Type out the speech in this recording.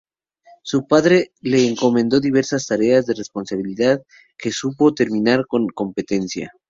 Su padre le encomendó diversas tareas de responsabilidad, que supo terminar con competencia.